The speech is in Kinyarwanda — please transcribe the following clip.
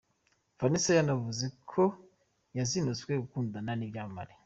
Vanessa yanavuze ko yazinutswe gukundana n’ibyamamare.